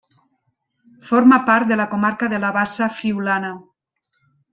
Forma part de la comarca de la Bassa Friülana.